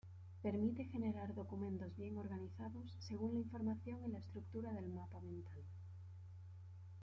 Permite generar documentos bien organizados según la información y la estructura del mapa mental.